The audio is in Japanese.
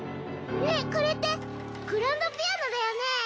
ねぇこれってグランドピアノだよね？